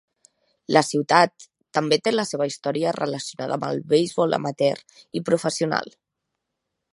La ciutat també té la seva història relacionada amb el beisbol amateur i professional.